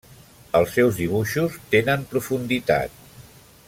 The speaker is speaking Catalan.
Els seus dibuixos tenen profunditat.